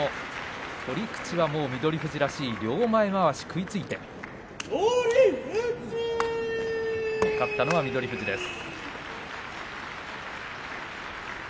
取り口はもう翠富士らしい両前まわし、食いついて勝ったのは翠富士です。